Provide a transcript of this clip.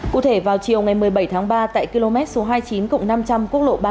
cụ thể vào chiều ngày một mươi bảy tháng ba tại km số hai mươi chín cụm năm trăm linh quốc lộ ba mươi bốn